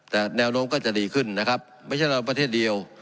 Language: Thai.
แต่แนวโน้มก็จะดีขึ้นนะครับไม่ใช่เราประเทศเดียว